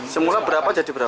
semula berapa jadi berapa